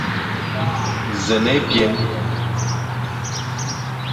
Nẑen ébyen.